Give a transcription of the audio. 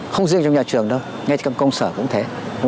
không riêng trong nhà trường đâu ngay trong công sở cũng thế